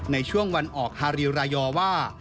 ในช่วงวันออกฮาริวรายอว่า